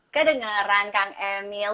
kedengeran kang emil